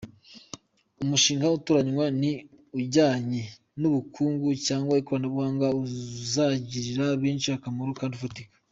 Umushinga utoranywa ni ujyanye n’ubukungu cyangwa ikoranabuhanga uzagirira benshi akamaro kandi ufatika.